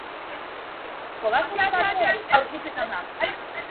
Kobazuloetan ere aurkitu izan da.